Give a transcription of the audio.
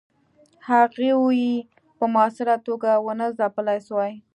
هغوی یې په موثره توګه ونه ځپلای سوای.